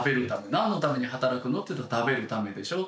何のために働くのと言うと食べるためでしょ。